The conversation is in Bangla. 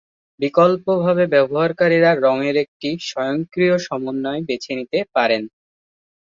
বিকল্পভাবে, ব্যবহারকারীরা রঙের একটি "স্বয়ংক্রিয়" সমন্বয় বেছে নিতে পারেন।